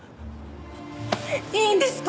いいんですか？